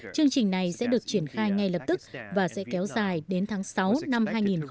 chương trình này sẽ được triển khai ngay lập tức và sẽ kéo dài đến tháng sáu năm hai nghìn hai mươi